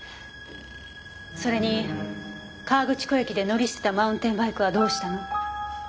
それに河口湖駅で乗り捨てたマウンテンバイクはどうしたの？